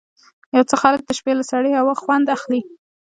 یو څه خلک د شپې له سړې هوا خوند اخلي.